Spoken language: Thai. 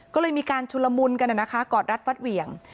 ก็เลยมีการชุลมุนกันนะคะกอดรัดฟัดเหวี่ยง